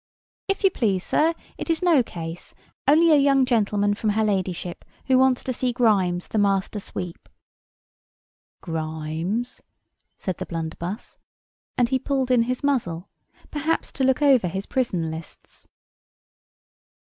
"If you please, sir, it is no case; only a young gentleman from her ladyship, who wants to see Grimes, the master sweep." "Grimes?" said the blunderbuss. And he pulled in his muzzle, perhaps to look over his prison lists.